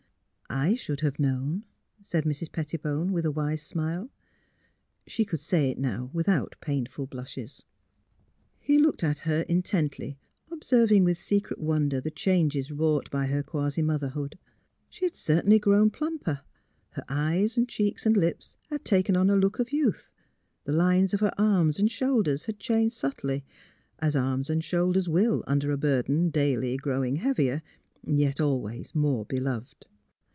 *' I should have known," said Mrs. Pettibone, with a wise smile. She could say it now, without painful blushes. He looked at her intently, observing with secret wonder the changes wrought by her quasi mother hood. She had certainly grown plumper ; her eyes and cheeks and lips had taken on a look of youth; the lines of her arms and shoulders had changed subtly — as arms and shoulders will under a burden, daily growing heavier, yet always more beloved.